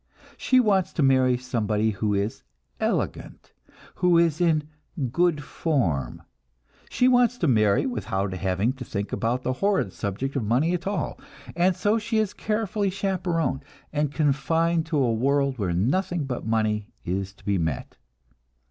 She wants to marry somebody who is "elegant," who is in "good form"; she wants to marry without having to think about the horrid subject of money at all, and so she is carefully chaperoned, and confined to a world where nothing but money is to be met.